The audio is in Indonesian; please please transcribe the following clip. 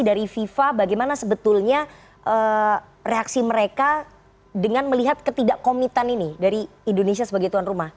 dari fifa bagaimana sebetulnya reaksi mereka dengan melihat ketidakkomitan ini dari indonesia sebagai tuan rumah